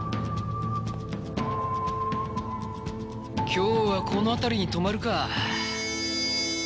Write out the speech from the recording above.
今日はこの辺りに泊まるか。